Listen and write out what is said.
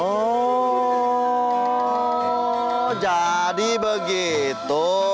oh jadi begitu